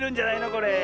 これ。